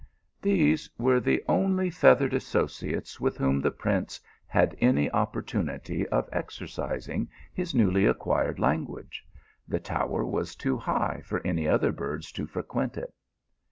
These were the only feathered associates with whom the prince had any opportunity of exercising his newly acquired language ; the tower was too high for any other birds to frequent it.